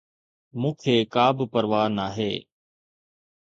مون کي ڪابه پرواهه ناهي